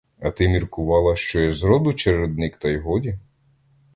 А ти міркувала, що я зроду чередник та й годі?